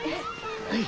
はい。